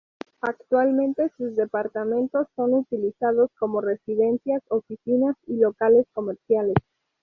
Actualmente sus departamentos son utilizados como residencias, oficinas y locales comerciales.